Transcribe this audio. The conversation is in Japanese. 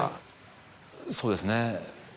そうですね。